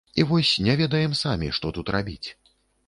І вось не ведаем самі, што тут рабіць.